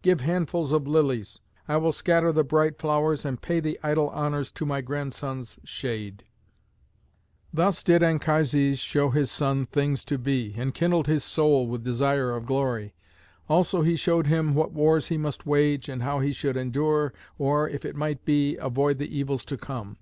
Give handfuls of lilies. I will scatter the bright flowers and pay the idle honours to my grandson's shade." Thus did Anchises show his son things to be, and kindled his soul with desire of glory. Also he showed him what wars he must wage, and how he should endure, or, if it might be, avoid the evils to come.